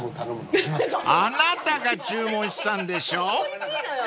［あなたが注文したんでしょ］